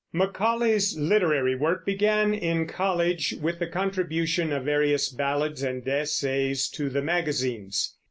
Macaulay's literary work began in college with the contribution of various ballads and essays to the magazines.